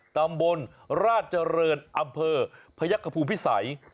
ตำบลราชเจริญอำเภอพระยักษ์กระพูพิสัย